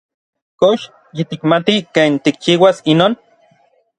¿Kox yitikmati ken tikchiuas inon?